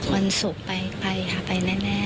ความสุขไปค่ะไปแน่